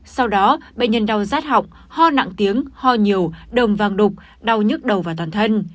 sau đó bệnh nhân đau rát họng ho nặng tiếng ho nhiều đồng vàng đục đau nhức đầu vào toàn thân